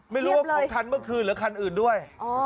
ไม่รู้ว่าของคันเมื่อคืนหรือคันอื่นด้วย